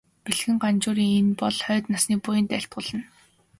Бэхэн Ганжуурыг энэ болон хойд насны буянд айлтгуулна.